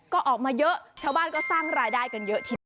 ก็ออกมาเยอะชาวบ้านก็สร้างรายได้กันเยอะทีเดียว